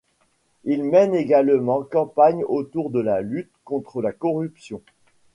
Il mène également campagne autour de la lutte contre la corruption.